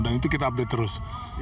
dan itu kita update terus